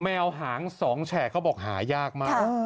วหาง๒แฉกเขาบอกหายากมาก